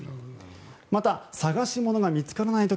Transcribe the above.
また、探し物が見つからない時。